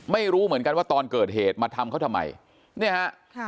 ไม่รู้เหมือนกันว่าตอนเกิดเหตุมาทำเขาทำไมเนี่ยฮะค่ะ